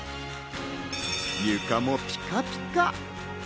床もピカピカ。